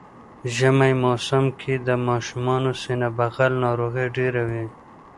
ژمی موسم کی د ماشومانو سینه بغل ناروغی ډیره وی